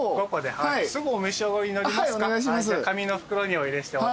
紙の袋にお入れしてお渡しします。